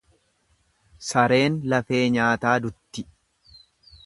Sareen lafee nyaataa dutti.